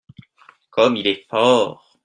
Comme il est fort !